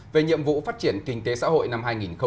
về nhiệm vụ phát triển kinh tế xã hội năm hai nghìn hai mươi